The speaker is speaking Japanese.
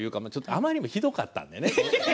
あまりにもひどかったから。